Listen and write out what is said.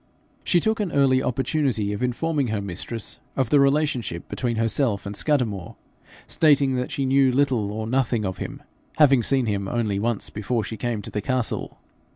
She took an early opportunity of informing her mistress of the relationship between herself and Scudamore, stating that she knew little or nothing of him, having seen him only once before she came to the castle.